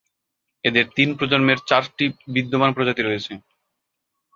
এদের তিন প্রজন্মের চারটি বিদ্যমান প্রজাতি রয়েছে।